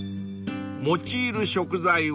［用いる食材は］